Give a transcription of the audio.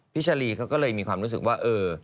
ชาลีเขาก็เลยมีความรู้สึกว่าเออ